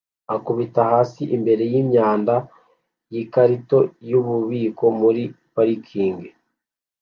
akubite hasi imbere yimyanda yikarito yububiko muri parikingi